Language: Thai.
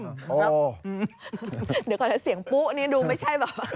เดี๋ยวก่อนให้เสียงปุ๊บนี้ดูไม่ใช่เหรอ